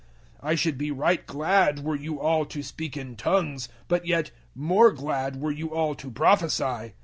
014:005 I should be right glad were you all to speak in `tongues,' but yet more glad were you all to prophesy.